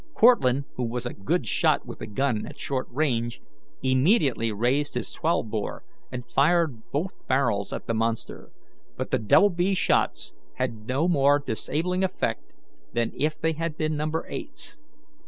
Cortlandt, who was a good shot with a gun at short range, immediately raised his twelve bore and fired both barrels at the monster; but the double B shots had no more disabling effect than if they had been number eights.